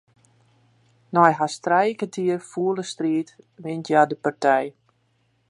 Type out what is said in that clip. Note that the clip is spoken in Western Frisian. Nei hast trije kertier fûle striid wint hja de partij.